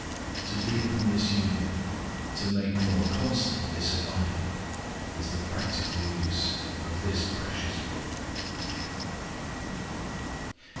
To deepen this union, to make more constant this abiding, is the practical use of this precious Book.